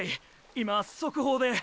今速報で。